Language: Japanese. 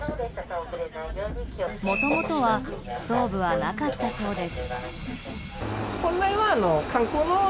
もともとはストーブはなかったそうです。